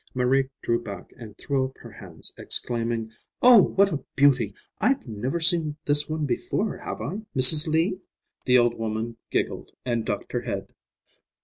Marie drew back and threw up her hands, exclaiming, "Oh, what a beauty! I've never seen this one before, have I, Mrs. Lee?" The old woman giggled and ducked her head.